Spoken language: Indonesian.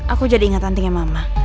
aku jadi ingat nantinya mama